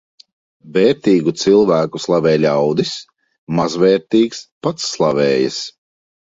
Vērtīgu cilvēku slavē ļaudis, mazvērtīgs pats slavējas.